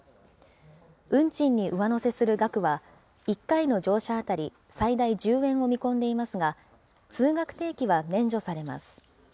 運賃に上乗せする額は、１回の乗車当たり最大１０円を見込んでいますが、通学定期は免除されます。